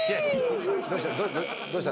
どうした？